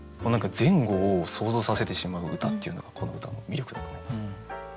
前後を想像させてしまう歌っていうのがこの歌の魅力だと思います。